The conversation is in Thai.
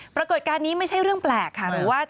ปรากฏการณ์นี้ไม่ใช่เรื่องแปลกค่ะ